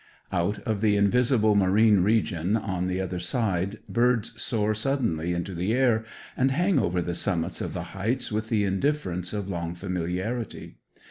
Out of the invisible marine region on the other side birds soar suddenly into the air, and hang over the summits of the heights with the indifference of long familiarity.